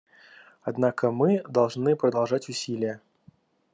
Однако мы должны продолжать усилия.